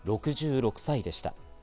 ６６歳でした。